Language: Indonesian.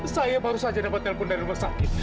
saya baru saja dapat telepon dari rumah sakit